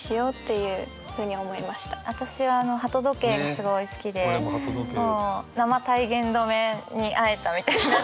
私は「鳩時計」がすごい好きでもう生体言止めに会えたみたいな。